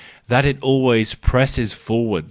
that it always presses forward!